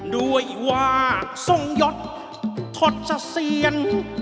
ด้วยว่าทรงยศทดเสเซียน